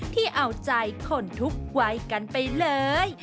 ที่เอาใจคนทุกวัยกันไปเลย